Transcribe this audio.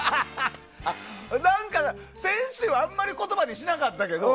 先週あんまり言葉にしなかったけど。